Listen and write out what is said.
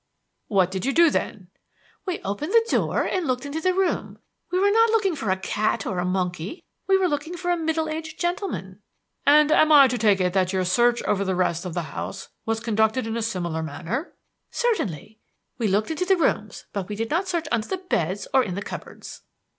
"What did you do then?" "We opened the door and looked into the room. We were not looking for a cat or a monkey; we were looking for a middle aged gentleman." "And am I to take it that your search over the rest of the house was conducted in a similar manner?" "Certainly. We looked into the rooms, but we did not search under the beds or in the cupboards."